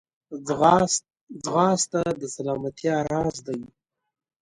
ځغاسته د سلامتیا راز دی